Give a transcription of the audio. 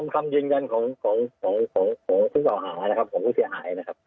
คำยืนยันของผู้เสียหายนะครับ